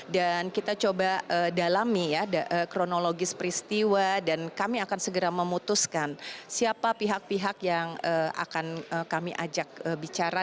dan kita coba dalami ya kronologis peristiwa dan kami akan segera memutuskan siapa pihak pihak yang akan kami ajak bicara